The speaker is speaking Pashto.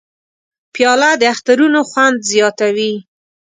پیاله د اخترونو خوند زیاتوي.